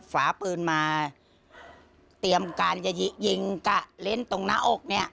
ฝาปืนมาเตรียมการจะยิงกะเล่นตรงหน้าอกเนี่ย